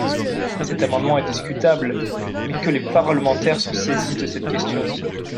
Cet amendement est discutable, mais que les parlementaires se saisissent de cette question